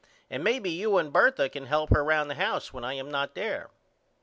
And may be you and Bertha can help her round the house when I am not there.